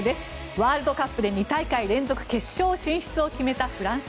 ワールドカップで２大会連続決勝進出を決めたフランス。